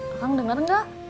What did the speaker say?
akang denger gak